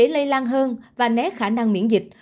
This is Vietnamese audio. lây lan hơn và né khả năng miễn dịch